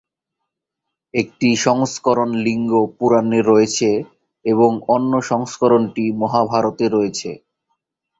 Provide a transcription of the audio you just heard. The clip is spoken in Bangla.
একটি সংস্করণ লিঙ্গ পুরাণে রয়েছে এবং অন্য সংস্করণটি মহাভারতে রয়েছে।